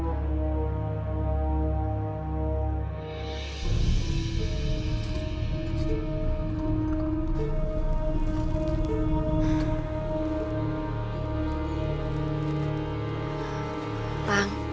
sekarang jari kamu udah aku kubur